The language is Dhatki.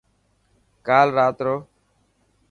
ڪال رات رو.